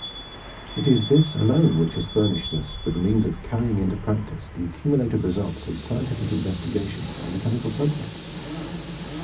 It is this alone which has furnished us with the means of carrying into practice the accumulated result's of scientific investigation on mechanical subjects.